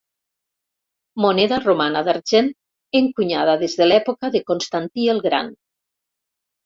Moneda romana d'argent encunyada des de l'època de Constantí el Gran.